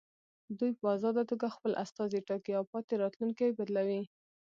دوی په ازاده توګه خپل استازي ټاکي او پاتې راتلونکي بدلوي.